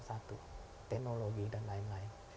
satu teknologi dan lain lain